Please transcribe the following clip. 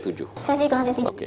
spesifik di lantai tujuh